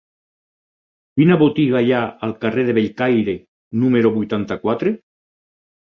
Quina botiga hi ha al carrer de Bellcaire número vuitanta-quatre?